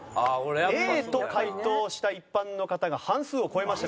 Ａと回答した一般の方が半数を超えました。